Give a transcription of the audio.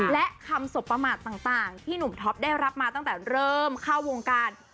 และคำสบประมาทต่างที่หนุ่มท็อปได้รับมาตั้งแต่เริ่มเข้าวงการ